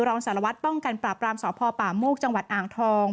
รองสารวัตรป้องกันปราบรามสพป่าโมกจังหวัดอ่างทอง